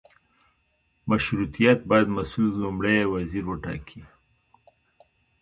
مشروطیت باید مسوول لومړی وزیر وټاکي.